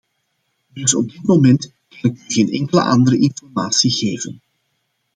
Dus op dit moment kan ik u geen enkele andere informatie geven.